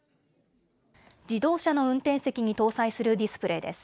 自動車の運転席に搭載するディスプレーです。